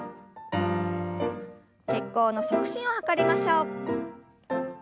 血行の促進を図りましょう。